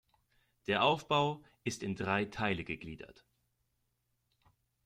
Der Aufbau ist in drei Teile gegliedert.